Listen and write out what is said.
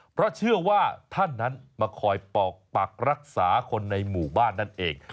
เพราะเชื่อว่าท่านนั้นมาคอยปอกปักรักษาคนในหมู่บ้านนั่นเอง